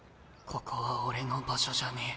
ここは俺の場所じゃねえ。